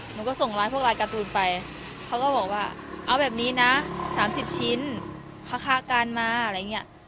หนูก็ส่งไลน์พวกลายการ์ตูนไปเขาก็บอกว่าเอาแบบนี้นะ๓๐ชิ้นคาการมาอะไรอย่างนี้